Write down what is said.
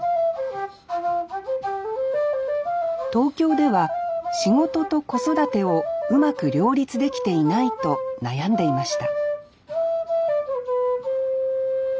東京では仕事と子育てをうまく両立できていないと悩んでいました